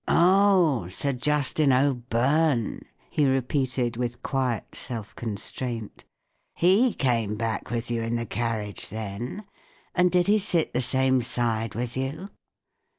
" Oh, Sir Justin O'Byrne!" he repeated, with quiet self constraint He came back with you in the carriage, then ? And did he sit the same side with you